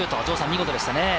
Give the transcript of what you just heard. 見事でしたね。